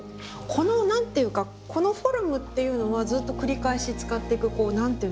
この何ていうかこのフォルムっていうのはずっと繰り返し使ってくこう何ていうんですか。